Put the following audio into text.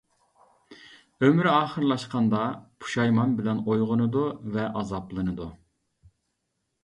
ئۆمرى ئاخىرلاشقاندا، پۇشايمان بىلەن ئويغىنىدۇ ۋە ئازابلىنىدۇ.